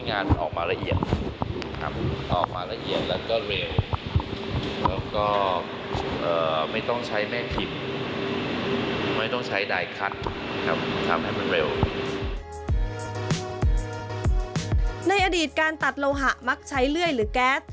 ในอดีตการตัดโลหะมักใช้เลื่อยหรือแก๊ส